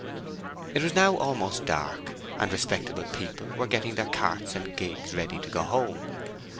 It was now almost dark, and respectable people were getting their carts and gigs ready to go home.